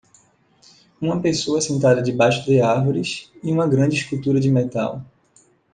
Uma pessoa sentada debaixo de árvores e uma grande escultura de metal.